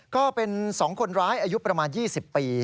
ก็เป็น๒คนร้ายอายุประมาณ๒๐ปี